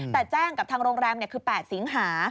แต่แจ้งกับทางโรงแรมคือ๘สิงหา